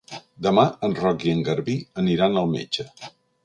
Demà en Roc i en Garbí aniran al metge.